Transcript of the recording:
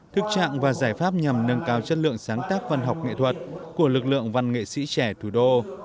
thực trạng và giải pháp nhằm nâng cao chất lượng sáng tác văn học nghệ thuật của lực lượng văn nghệ sĩ trẻ thủ đô